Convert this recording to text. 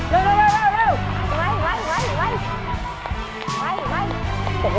เร็วเร็วเร็วเร็วเร็วไว้ไว้ไว้ไว้ไว้ไว้ไว้